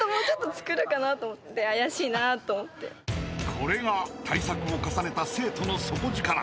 ［これが対策を重ねた生徒の底力］